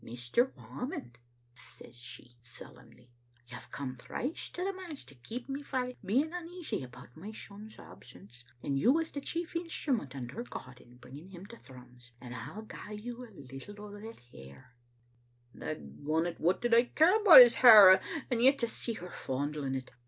"*Mr. Whamond,' she says solemnly, 'you've come thrice to the manse to keep me frae being uneasy about my son's absence, and you was the chief instrument under God in bringing him to Thrums, and I'll gie you a little o' that hair. '" Dagont, what did I care about his hair? and yet to see her fondling it!